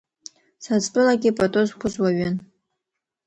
Саӡтәылагьы пату зқәыз уаҩын.